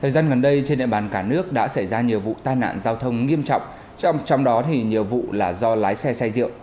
gần đây trên địa bàn cả nước đã xảy ra nhiều vụ tai nạn giao thông nghiêm trọng trong đó thì nhiều vụ là do lái xe xe rượu